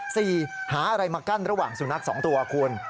หาอะไรมากั้นระหว่างสุนัขสองตัวคุณ